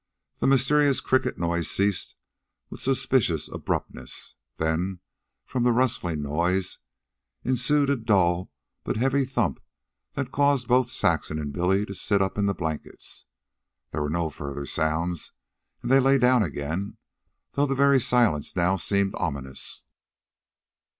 The mysterious cricket noise ceased with suspicious abruptness. Then, from the rustling noise, ensued a dull but heavy thump that caused both Saxon and Billy to sit up in the blankets. There were no further sounds, and they lay down again, though the very silence now seemed ominous.